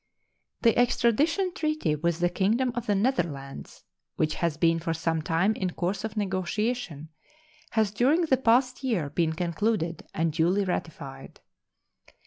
The extradition treaty with the Kingdom of the Netherlands, Which has been for some time in course of negotiation, has during the past year been concluded and duly ratified.